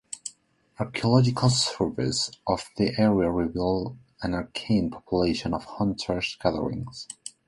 Archaeological surveys of the area reveal an archaic population of hunter-gatherers.